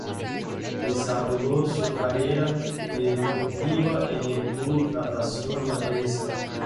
Desarrolló su carrera deportiva en el Club Natació Manresa.